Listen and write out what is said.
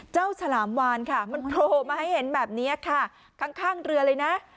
ฉลามวานค่ะมันโผล่มาให้เห็นแบบนี้ค่ะข้างเรือเลยนะ